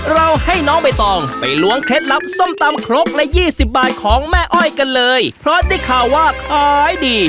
เราให้น้องใบตองไปล้วงเคล็ดลับส้มตำครกละยี่สิบบาทของแม่อ้อยกันเลยเพราะได้ข่าวว่าขายดี